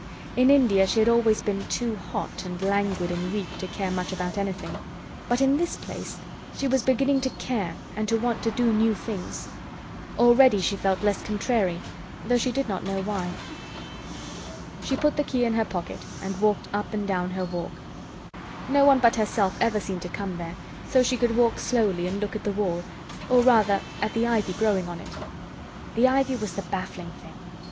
In India she had always been too hot and languid and weak to care much about anything, but in this place she was beginning to care and to want to do new things. Already she felt less "contrary," though she did not know why. She put the key in her pocket and walked up and down her walk. No one but herself ever seemed to come there, so she could walk slowly and look at the wall, or, rather, at the ivy growing on it. The ivy was the baffling thing.